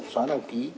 xóa đăng ký